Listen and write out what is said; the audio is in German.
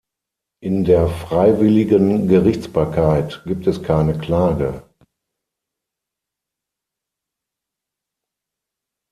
In der freiwilligen Gerichtsbarkeit gibt es keine Klage.